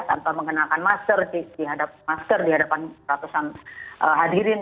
tanpa mengenakan masker di hadapan ratusan hadirin